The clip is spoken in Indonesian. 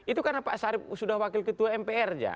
itu karena pak sarip sudah wakil ketua mpr